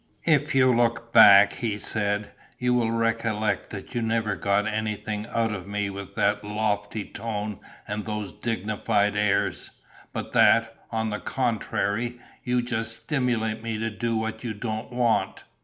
"If you look back," he said, "you will recollect that you never got anything out of me with that lofty tone and those dignified airs, but that, on the contrary, you just stimulate me to do what you don't want...."